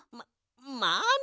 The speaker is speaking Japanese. まあね。